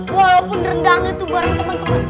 walaupun rendang itu barang temen temen